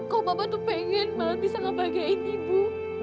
kau papa tuh pengen malah bisa ngebahagiain ibu